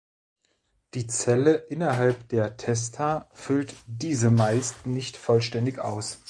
Die Zelle innerhalb der Testa füllt diese meist nicht vollständig aus.